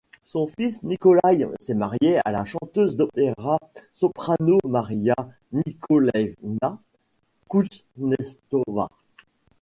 Son fils Nikolaï s'est marié à la chanteuse d'opéra soprano Maria Nikolaïevna Kouznetsova.